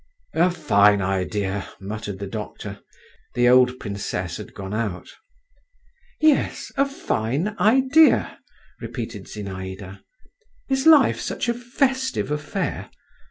"A fine idea!" muttered the doctor. The old princess had gone out. "Yes, a fine idea," repeated Zinaïda. "Is life such a festive affair?